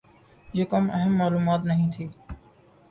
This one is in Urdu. یہ کم اہم معلومات نہیں تھیں۔